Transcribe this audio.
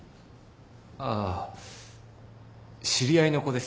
ああ知り合いの子です。